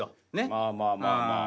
まあまあまあまあ。